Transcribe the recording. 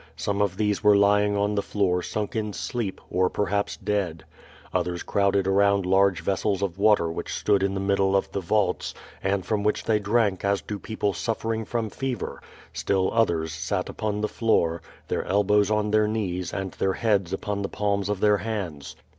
Some of these were lying on Ihe floor sunk in sleep, or j)erha})s dead. Others crowded aroii^id largo vessels of water whicli stood in the middle of the vaults, and from which they drank as do people suffering froms^ver; still others sat upon tlie floor, tlieir elbows on their knires and their heads upon the palms of their hands.